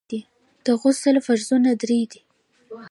د غسل فرضونه درې دي.